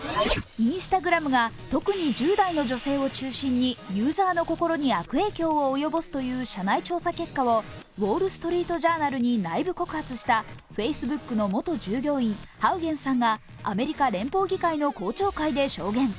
Ｉｎｓｔａｇｒａｍが特に１０代の女性を中心にユーザーの心に悪影響を及ぼすという社内調査結果を「ウォールストリート・ジャーナル」に内部告発したフェイスブックの元従業員、ハウゲンさんがアメリカ連邦議会の公聴会で証言。